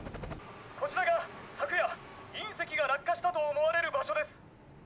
こちらが昨夜隕石が落下したと思われる場所です。